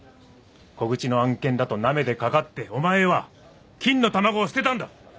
小口の案件だとなめてかかってお前は金の卵を捨てたんだ